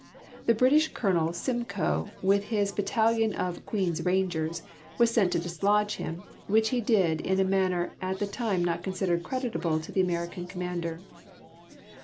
The British Colonel Simcoe, with his bat talion of " Queen's Rangers," was sent to dislodge him, which he did in a manner at the time not considered creditable to the American commander.